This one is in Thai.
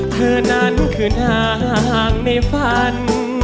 เธอนั้นคือห่างในฝัน